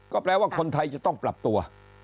ก็แปลว่าคนไทยจะต้องปรับตัว